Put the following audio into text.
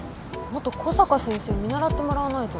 もっと小坂先生見習ってもらわないと。